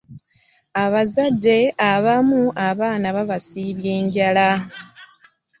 Abazadde abamu abaana babasibya njala.